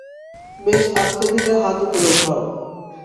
বেশ আস্তে ধীরে হাত উপরে উঠাও!